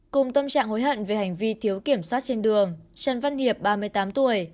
cùng tâm trạng hối hận về hành vi thiếu kiểm soát trên đường trần văn hiệp ba mươi tám tuổi